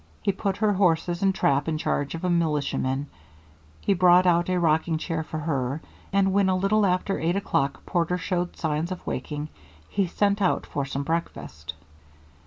He put her horses and trap in charge of a militiaman, he brought out a rocking chair for her, and when, a little after eight o'clock, Porter showed signs of waking, he sent out for some breakfast.